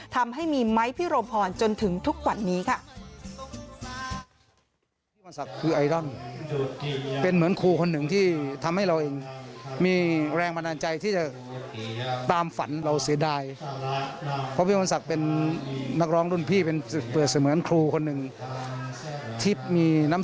ทำให้มีไม้พิรมพรจนถึงทุกวันนี้ค่ะ